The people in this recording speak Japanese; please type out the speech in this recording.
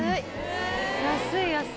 安い！